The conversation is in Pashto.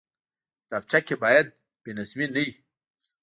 کتابچه کې باید بېنظمي نه وي